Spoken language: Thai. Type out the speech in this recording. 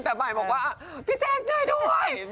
แต่ใหม่บอกว่าพี่แจ๊กช่วยด้วย